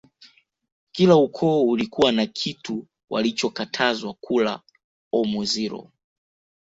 kila ukoo ulikuwa na kitu walichokatazwa kula Omuziro